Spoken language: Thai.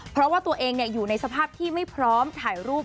เพราะว่าตัวเองอยู่ในสภาพที่ไม่พร้อมถ่ายรูป